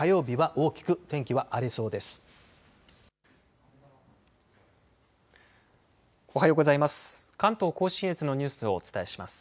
おはようございます。